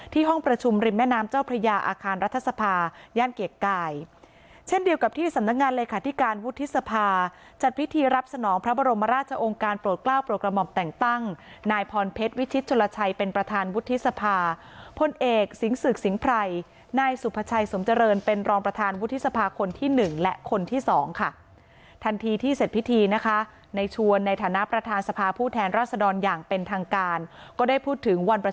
ที่ห้องประชุมริมแม่น้ำเจ้าพระยาอาคารรัฐสภาพูดแทนรัฐสภาพูดแทนรัฐสภาพูดแทนรัฐสภาพูดแทนรัฐสภาพูดแทนรัฐสภาพูดแทนรัฐสภาพูดแทนรัฐสภาพูดแทนรัฐสภาพูดแทนรัฐสภาพูดแทนรัฐสภาพูดแทนรัฐสภาพูดแทนรัฐสภาพูดแทนรัฐสภา